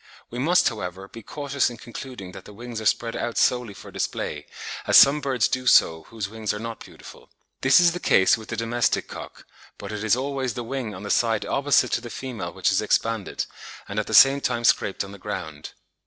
We must, however, be cautious in concluding that the wings are spread out solely for display, as some birds do so whose wings are not beautiful. This is the case with the domestic cock, but it is always the wing on the side opposite to the female which is expanded, and at the same time scraped on the ground.